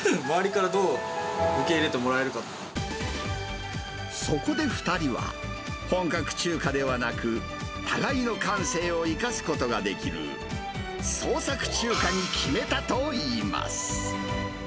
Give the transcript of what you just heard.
周りからどう受け入れてもらえるそこで２人は、本格中華ではなく、互いの感性を生かすことができる創作中華に決めたといいます。